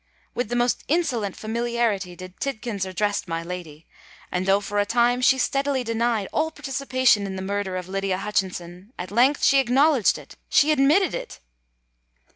With the most insolent familiarity did Tidkins address my lady; and, though for a time she steadily denied all participation in the murder of Lydia Hutchinson, at length she acknowledged it—she admitted it!"